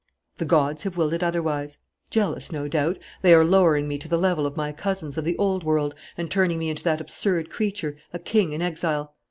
The gods have willed it otherwise. Jealous, no doubt, they are lowering me to the level of my cousins of the old world and turning me into that absurd creature, a king in exile.